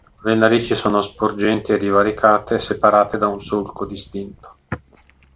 Le narici sono sporgenti e divaricate, separate da un solco distinto.